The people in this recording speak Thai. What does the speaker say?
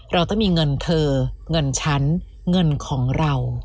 เราต้องมีเงินเธอเงินฉันเงินของเรา